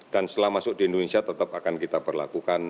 dan setelah masuk di indonesia tetap akan kita berlakukan